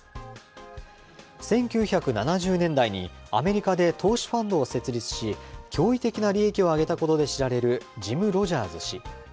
１９７０年代にアメリカで投資ファンドを設立し、驚異的な利益を上げたことで知られるジム・ロジャーズ氏。